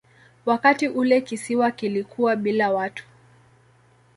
Wakati ule kisiwa kilikuwa bila watu.